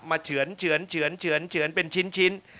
เฉือนเป็นชิ้น